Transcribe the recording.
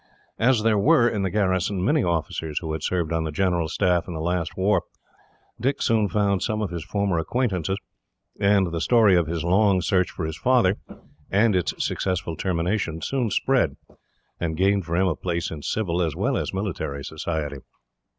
As there were, in the garrison, many officers who had served on the general staff in the last war, Dick soon found some of his former acquaintances, and the story of his long search for his father, and its successful termination, soon spread, and gained for him a place in civil as well as military society.